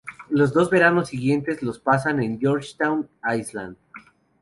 Los dos veranos siguientes los pasan en Georgetown Island.